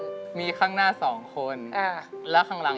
แล้วมันจะมีอีก๒คนได้ช่วยแบบของขนกล